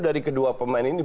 dari kedua pemain ini